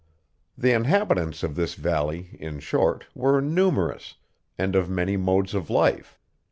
The inhabitants of this valley, in short, were numerous, and of many modes of life.